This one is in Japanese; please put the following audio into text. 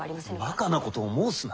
バカなことを申すな。